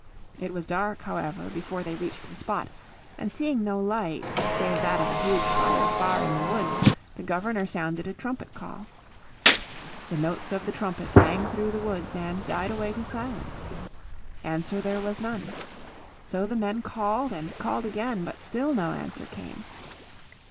It was dark, however, before they reached the spot, and seeing no lights save that of a huge fire far in the woods the Governor sounded a trumpet call. The notes of the trumpet rang through the woods and died away to silence. There was no answer. So the men called and called again, but still no answer came.